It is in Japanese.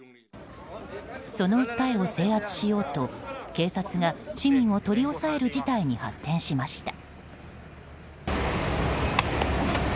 その訴えを制圧しようと、警察が市民を取り押さえる事態に発展しました。